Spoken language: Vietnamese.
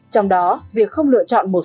trong đó việc không lựa chọn là một lý do